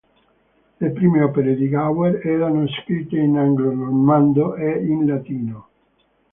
Le prime opere di Gower erano scritte in anglo-normanno e in latino.